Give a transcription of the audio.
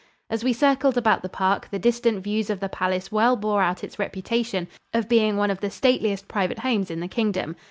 As we circled about the park, the distant views of the palace well bore out its reputation of being one of the stateliest private homes in the Kingdom.